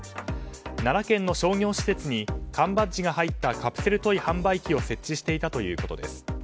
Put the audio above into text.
奈良県の商業施設に缶バッジが入ったカプセルトイ販売機を設置していたということです。